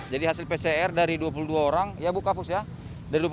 jadi hasil pcr dari dua puluh dua orang ya bu kapus ya